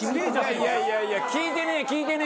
いやいやいやいや聞いてねー聞いてねー！